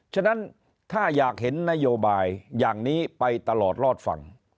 ฉะนั้นถ้าอยากเห็นนโยบายอย่างนี้ไปตลอดรอดฟัง